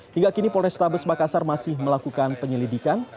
hingga kini polres tabes makassar masih melakukan penyelidikan